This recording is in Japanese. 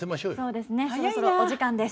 そろそろお時間です。